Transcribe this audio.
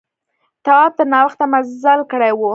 تواب تر ناوخته مزل کړی و.